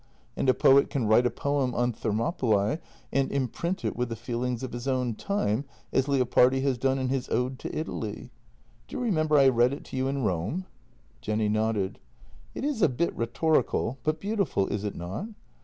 And a poet can write a poem on Thermopylae and imprint it with the feelings of his own time, as Leopardi has done in his ' Ode to Italy.' Do you remember I read it to you in Rome? " Jenny nodded. " It is a bit rhetorical, but beautiful, is it not?